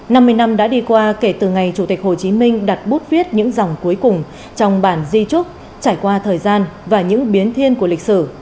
năm mươi năm đã đi qua kể từ ngày chủ tịch hồ chí minh đặt bút viết những dòng cuối cùng trong bản di trúc trải qua thời gian và những biến thiên của lịch sử